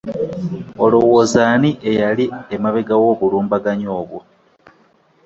Olowooza ani eyali e mabega w'obulumbaganyi obwo?